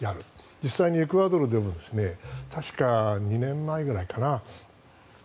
実際にエクアドルでも確か、２年前ぐらいかな。